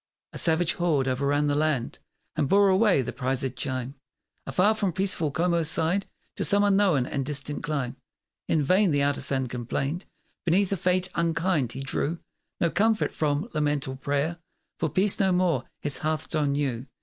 A savage horde o'erran the land And bore away the prizéd chime; Afar from peaceful Como's side, To some unknown and distant clime. In vain the artisan complained Beneath a fate unkind; he drew No comfort from lament or prayer, For peace no more his hearthstone knew.